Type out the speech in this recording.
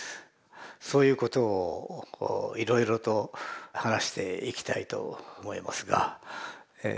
そういうことをいろいろと話していきたいと思いますがえ